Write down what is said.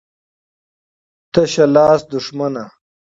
ـ تشه لاسه دښمنه.